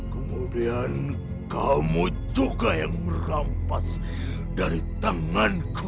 kemudian kamu juga yang merampas dari tanganku